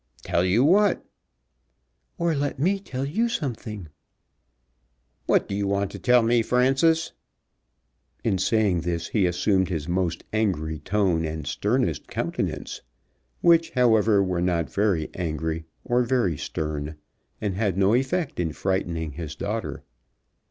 "Tell you what?" "Or let me tell you something." "What do you want to tell me, Frances?" In saying this he assumed his most angry tone and sternest countenance, which, however, were not very angry or very stern, and had no effect in frightening his daughter.